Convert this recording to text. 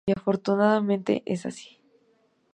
Y afortunadamente es así.